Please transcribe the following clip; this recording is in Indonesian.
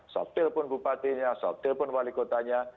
sopil pun bupatinya sopil pun wali kotanya